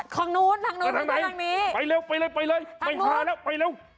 ข้างนู้นข้างนู้นข้างนี้ไปเร็วไปเร็วไปเร็วไปหาแล้วไปเร็ว